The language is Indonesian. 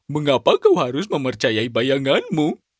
mengapa kau harus mempercayai bayanganmu